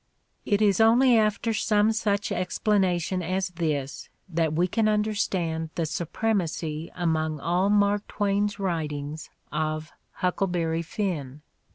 It is only after some such explanation as this that we can understand the supremacy among all Mark Twain's writings of "Huckleberry Finn."